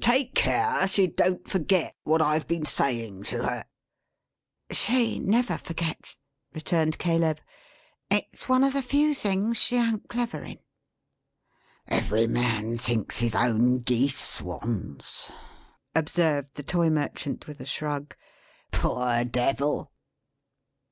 "Take care she don't forget what I've been saying to her." "She never forgets," returned Caleb. "It's one of the few things she an't clever in." "Every man thinks his own geese, swans," observed the Toy merchant, with a shrug. "Poor devil!"